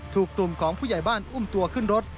ถูกกลุ่มของผู้ใหญ่บ้านอุ้มตัวขึ้นรถ